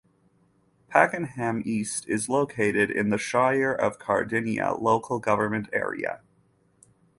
Pakenham East is located in the Shire of Cardinia local government area.